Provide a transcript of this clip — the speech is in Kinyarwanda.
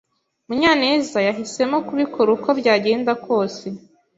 Munyanez yahisemo kubikora uko byagenda kose.